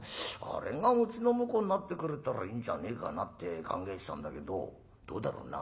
あれがうちの婿になってくれたらいいんじゃねえかなって考えてたんだけどどうだろうな？」。